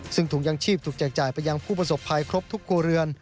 ซึ่งถุงยางชีพถูกแจกจ่ายไปยังผู้ประสบภัยครบทุกครัวเรือน